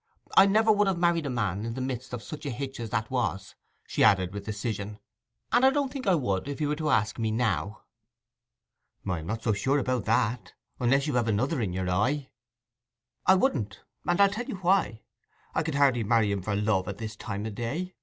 I would never have married the man in the midst of such a hitch as that was,' she added with decision; 'and I don't think I would if he were to ask me now.' 'I am not sure about that, unless you have another in your eye.' 'I wouldn't; and I'll tell you why. I could hardly marry him for love at this time o' day.